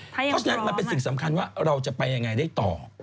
เพราะฉะนั้นมันเป็นสิ่งสำคัญว่าเราจะไปยังไงได้ต่อ